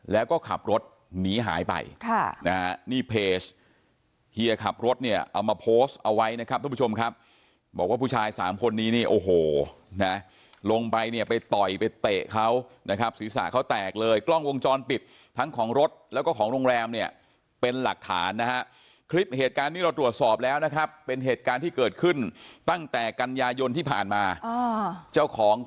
แล้วก็ขับรถหนีหายไปค่ะนะฮะนี่เพจเฮียขับรถเนี่ยเอามาโพสต์เอาไว้นะครับทุกผู้ชมครับบอกว่าผู้ชายสามคนนี้นี่โอ้โหนะลงไปเนี่ยไปต่อยไปเตะเขานะครับศีรษะเขาแตกเลยกล้องวงจรปิดทั้งของรถแล้วก็ของโรงแรมเนี่ยเป็นหลักฐานนะฮะคลิปเหตุการณ์นี้เราตรวจสอบแล้วนะครับเป็นเหตุการณ์ที่เกิดขึ้นตั้งแต่กันยายนที่ผ่านมาเจ้าของก